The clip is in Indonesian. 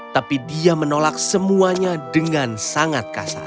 tapi dia menolak semuanya dengan sangat kasar